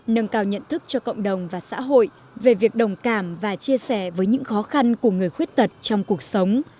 nâng cao nhận thức cho cộng đồng và xã hội về việc đồng cảm và chia sẻ với những khó khăn của người khuyết tật trong cuộc sống